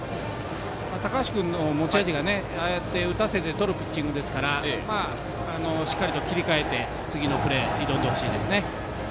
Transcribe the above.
高橋君の持ち味が打たせてとるピッチングですからしっかりと切り替えて次のプレー挑んでほしいですね。